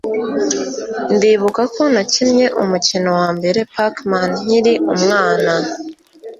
ndibuka ko nakinnye umukino wambere pac-man nkiri umwana